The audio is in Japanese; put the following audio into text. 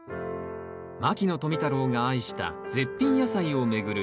牧野富太郎が愛した絶品野菜を巡る